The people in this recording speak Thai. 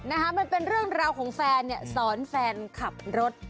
มันเป็นเรื่องราวของแฟนเนี่ยสอนแฟนขับรถ